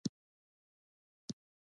ماشوم ماشومه ماشومان